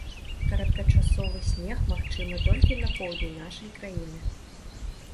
Кароткачасовы снег магчымы толькі на поўдні нашай краіны.